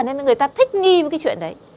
nên người ta thích nghi với cái chuyện đấy